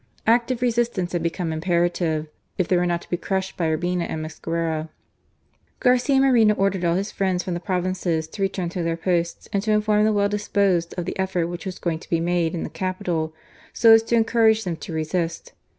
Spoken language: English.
Active resistance had become impera tive, if they were not to be crushed by Urbina and Mosquera. Garcia Moreno ordered all his friends from the provinces to return to their posts and to inform the well disposed of the effort which was going to be made in the capital, so as to encourage them to resist.